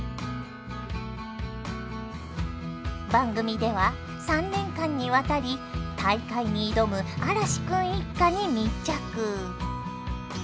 番組では３年間にわたり大会に挑む嵐君一家に密着。